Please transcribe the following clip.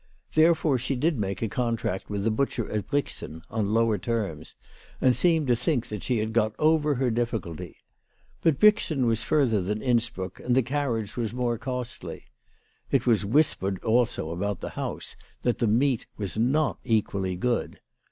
Therefore she did make a contract with the butcher at Brixen on lower terms, and seemed to think that she had got over her difficulty. But Brixen was further than Innsbruck, and the carriage was more costly. It was whispered also about the house that the meat was not equally good.